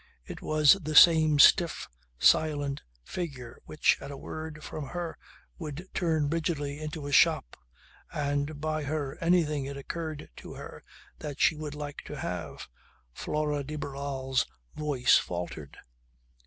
It was the same stiff, silent figure which at a word from her would turn rigidly into a shop and buy her anything it occurred to her that she would like to have. Flora de Barral's voice faltered.